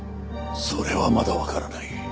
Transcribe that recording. それはまだわからない。